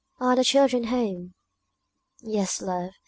are the children home?" "Yes, love!"